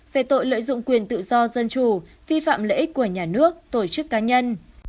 về tội lợi dụng quyền tự do dân chủ vi phạm lợi ích của nhà nước tổ chức cá nhân